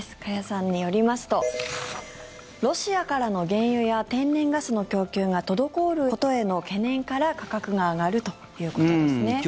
加谷さんによりますとロシアからの原油や天然ガスの供給が滞ることへの懸念から価格が上がるということですね。